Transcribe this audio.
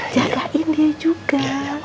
jagain dia juga